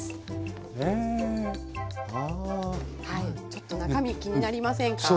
ちょっと中身気になりませんか？